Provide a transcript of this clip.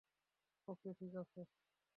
ওকে, ঠিকাছে।